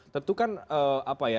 tentu kan apa ya